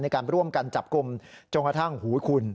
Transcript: ในการร่วมกันจับกลุ่มจนกระทั่งหูคุณ